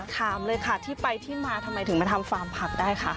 ถามเลยค่ะที่ไปที่มาทำไมถึงมาทำฟาร์มผักได้คะ